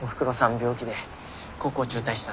病気で高校中退したって。